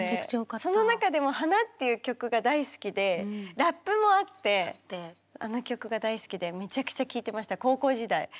その中でも「花」っていう曲が大好きでラップもあってあの曲が大好きでめちゃくちゃ聴いてました高校時代。